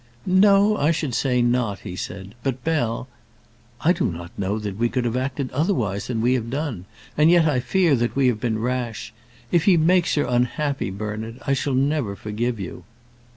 "No, I should say not," said he. "But, Bell " "I do not know that we could have acted otherwise than we have done, and yet I fear that we have been rash. If he makes her unhappy, Bernard, I shall never forgive you."